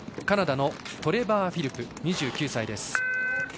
カナダのトレバー・フィルプ、２９歳。